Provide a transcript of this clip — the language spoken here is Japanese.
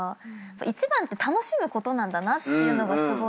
一番って楽しむことなんだなっていうのが伝わってくる。